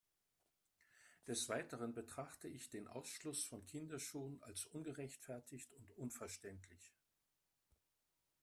Des Weiteren betrachte ich den Ausschluss von Kinderschuhen als ungerechtfertigt und unverständlich.